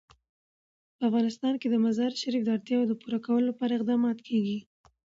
په افغانستان کې د مزارشریف د اړتیاوو پوره کولو لپاره اقدامات کېږي.